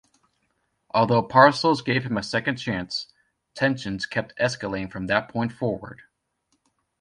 Although Parcells gave him a second chance, tensions kept escalating from that point forward.